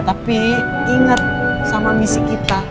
tapi ingat sama misi kita